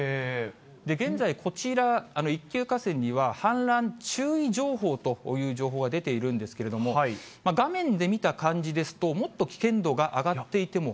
現在、こちら、一級河川には氾濫注意情報という情報が出ているんですけれども、画面で見た感じですと、もっと危険度が上がっていても。